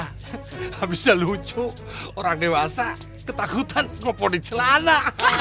habisnya lucu orang dewasa ketakutan ngumpul di celana